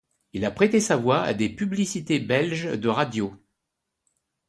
Il a prêté sa voix à des publicités belges de radio.